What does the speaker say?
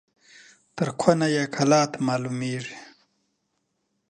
تر کونه يې کلات معلومېږي.